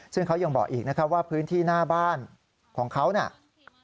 ซึ่งเขายังบอกอีกนะครับว่าพื้นที่หน้าบ้านของเขาเนี่ย